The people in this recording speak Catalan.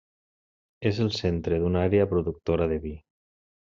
És el centre d'una àrea productora de vi.